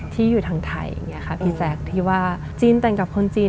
ที่อยู่ทางไทยอย่างนี้ค่ะพี่แจ๊คที่ว่าจีนแต่งกับคนจีน